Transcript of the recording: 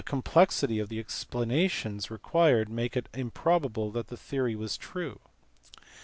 complexity of the explanations required made it improbable that the theory was true.